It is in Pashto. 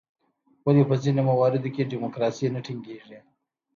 ولې په ځینو مواردو کې ډیموکراسي نه ټینګیږي؟